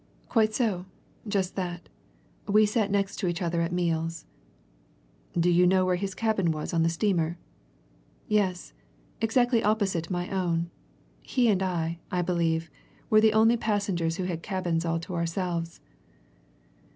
"Quite so just that. We sat next to each other at meals." "Do you know where his cabin was on the steamer?" "Yes, exactly opposite my own. He and I, I believe, were the only passengers who had cabins all to ourselves."